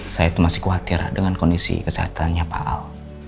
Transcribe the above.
saya itu masih khawatir dengan kondisi kesehatannya pak al